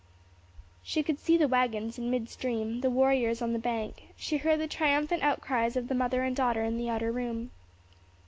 She could see the waggons in mid stream, the warriors on the bank; she heard the triumphant outcries of the mother and daughter in the outer room.